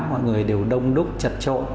mọi người đều đông đúc chật trộn